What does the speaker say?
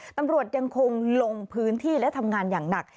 ตำรวจยังคงลงพื้นที่และทำงานอย่างหนัก